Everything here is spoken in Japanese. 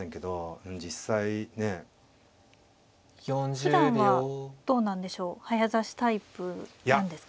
ふだんはどうなんでしょう早指しタイプですか。